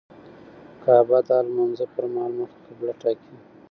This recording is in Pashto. کعبه د هر لمونځه پر مهال مخ قبله ټاکي.